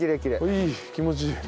いい気持ちいい。